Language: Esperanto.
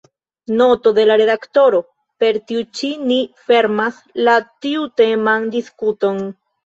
Noto de la redaktoro: Per tiu ĉi ni fermas la tiuteman diskuton.